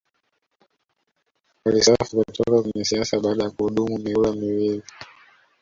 Alistaafu kutoka kwenye siasa baada ya kuhudumu mihula miwili